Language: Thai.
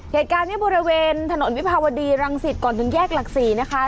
เหตุการณ์ที่บริเวณถนนวิภาวดีรังสิตก่อนถึงแยกหลัก๔นะคะ